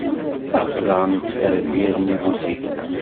Aql-aɣ nettferfir nnig usigna.